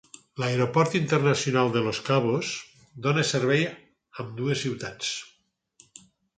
L'Aeroport Internacional de Los Cabos dona servei a ambdues ciutats.